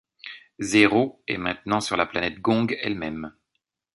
Zéro est maintenant sur la planète Gong elle-même.